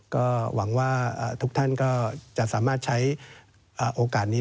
ก็หวังว่าทุกท่านก็จะสามารถใช้โอกาสนี้